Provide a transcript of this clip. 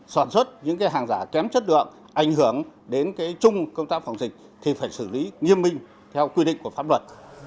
sản xuất những hàng giả kém chất lượng ảnh hưởng đến chung công tác phòng dịch thì phải xử lý nghiêm minh theo quy định của pháp luật